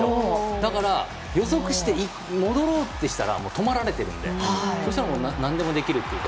だから予測して戻ろうと思ったらもう止まっているのでそうしたらなんでもできるというか。